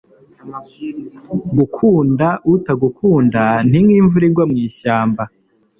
gukunda utagukunda ni nk'imvura igwa mu ishyamba